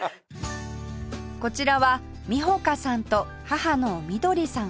こちらは美穂香さんと母の翠史さん